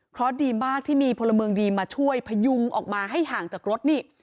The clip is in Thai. เพราะดีมากที่มีพลเมืองดีมาช่วยพยุงออกมาให้ห่างจากรถนี่